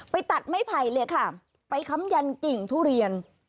ไปตัดไม้ไผ่เลยค่ะไปค้ำยันกิ่งทุเรียน